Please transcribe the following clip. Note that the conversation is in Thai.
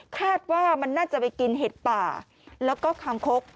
คาดว่ามันน่าจะไปกินเห็ดป่าแล้วก็คางคก